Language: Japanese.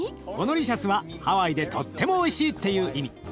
「オノリシャス」はハワイで「とってもおいしい」っていう意味。